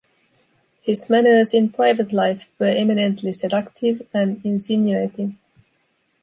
His manners in private life were eminently seductive and insinuating.